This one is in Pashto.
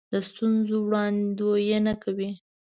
د ستونزو وړاندوینه کوي.